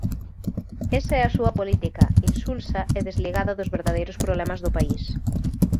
Esa é a súa política, insulsa e desligada dos verdadeiros problemas do país.